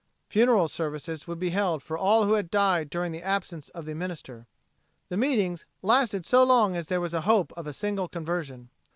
Funeral services would be held for all who had died during the absence of the minister. The meetings lasted so long as there was hope of a single conversion.